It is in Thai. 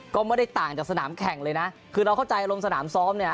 ก็ไม่ได้ต่างจากสนามแข่งเลยนะคือเราเข้าใจอารมณ์สนามซ้อมเนี่ย